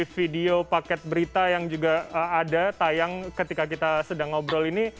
video paket berita yang juga ada tayang ketika kita sedang ngobrol ini